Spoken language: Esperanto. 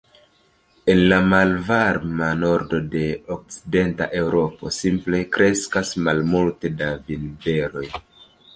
En la malvarma nordo de okcidenta Eŭropo simple kreskas malmulte da vinberoj.